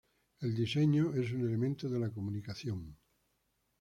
El diseño es un elemento de la comunicación.